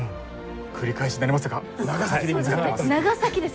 繰り返しになりますが長崎で見つかってます。